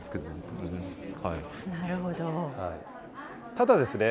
ただですね、